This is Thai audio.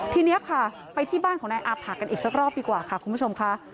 ทีนี้ค่ะไปที่บ้านของนายอาผะกันอีกสักรอบดีกว่าค่ะคุณผู้ชมค่ะ